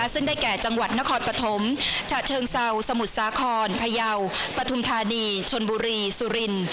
ซึ่งได้แก่จังหวัดนครปฐมฉะเชิงเซาสมุทรสาครพยาวปฐุมธานีชนบุรีสุริน